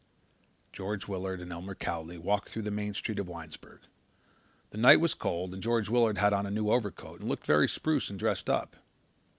George Willard and Elmer Cowley walked through the main street of Winesburg. The night was cold and George Willard had on a new overcoat and looked very spruce and dressed up.